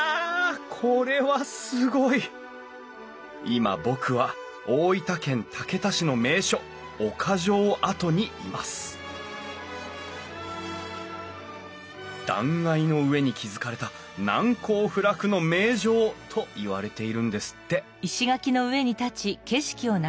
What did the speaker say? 今僕は大分県竹田市の名所岡城跡にいます断崖の上に築かれた「難攻不落の名城」といわれているんですって